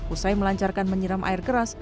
usai melancarkan menyiram air keras